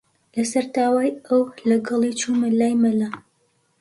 لەسەر داوای ئەو، لەگەڵی چوومە لای مەلا